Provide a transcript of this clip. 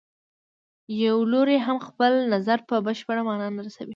یو لوری هم خپل نظر په بشپړه معنا نه رسوي.